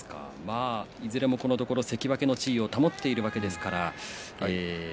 いずれもこのところ関脇の地位を保っているわけです。